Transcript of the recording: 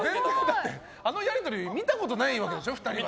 全然あのやりとり見たことないわけでしょ、２人は。